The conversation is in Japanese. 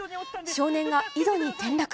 少年が井戸に転落。